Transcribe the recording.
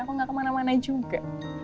aku gak kemana mana juga